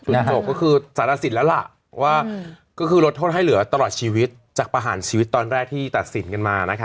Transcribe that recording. จบก็คือสารสินแล้วล่ะว่าก็คือลดโทษให้เหลือตลอดชีวิตจากประหารชีวิตตอนแรกที่ตัดสินกันมานะคะ